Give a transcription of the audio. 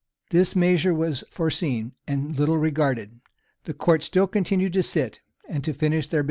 This measure was foreseen, and little regarded. The court still continued to sit, and to finish their business.